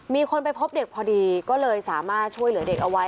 มีคนไปพบเด็กพอดีก็เลยสามารถช่วยเหลือเด็กเอาไว้